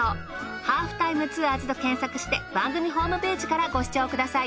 『ハーフタイムツアーズ』と検索して番組ホームページからご視聴ください。